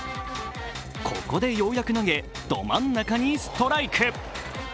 ここでようやく投げど真ん中にストライク。